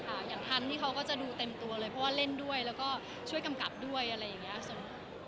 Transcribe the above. อย่างทันที่เขาก็จะดูเต็มตัวเลยเพราะว่าเล่นด้วยแล้วก็ช่วยกำกับด้วยอะไรอย่างนี้